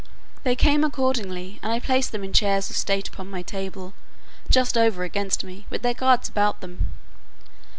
They came accordingly, and I placed them in chairs of state, upon my table, just over against me, with their guards about them.